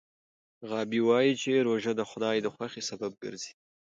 غابي وايي چې روژه د خدای د خوښۍ سبب ګرځي.